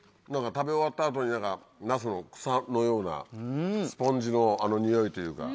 食べ終わった後にナスの草のようなスポンジのあのにおいというか。